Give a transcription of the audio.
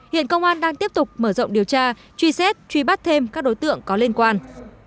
hiện công an đang tiếp tục mở rộng điều tra truy xét truy bắt thêm các đối tượng có liên quan